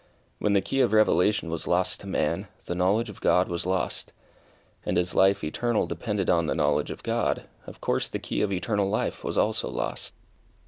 When the key of revelation was lost to man, the knowledge of God was lost. And as life eternal depended on the knowledge of God, of course the key of eternal life was also lost.